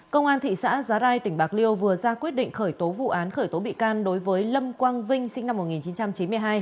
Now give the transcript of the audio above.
công an thị xã giá rai tỉnh bạc liêu vừa ra quyết định khởi tố vụ án khởi tố bị can đối với lâm quang vinh sinh năm một nghìn chín trăm chín mươi hai